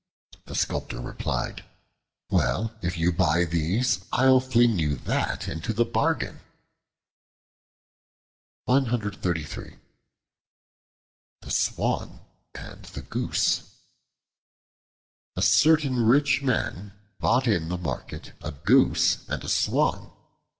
The Sculptor replied, "Well, if you will buy these, I'll fling you that into the bargain." The Swan and the Goose A CERTAIN rich man bought in the market a Goose and a Swan.